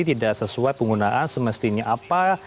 tidak sesuai penggunaan semestinya apa